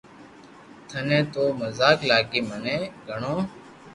ٿني تو مزاق لاگي مني گھڙو